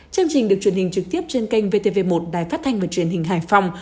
chương trình được truyền hình trực tiếp trên kênh vtv một đài phát thanh và truyền hình hải phòng